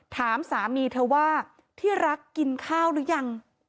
ถามสามีเธอว่าที่รักกินข้าวหรือยัง